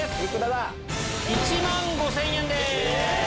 １万５０００円です！